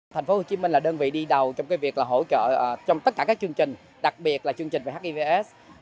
thành phố hồ chí minh là đơn vị đi đầu trong việc hỗ trợ trong tất cả các chương trình đặc biệt là chương trình về hivs